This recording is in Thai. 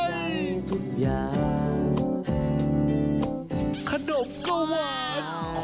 ขนมก็หวานขนปลอดก็แน่ร้าย